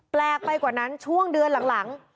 แปลกไปกว่านั้นช่วงเดือนหลัง